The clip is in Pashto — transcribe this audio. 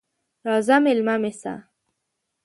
راځه مېلمه مې سه!